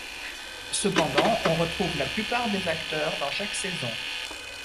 Cependant, on retrouve la plupart des acteurs dans chaque saison.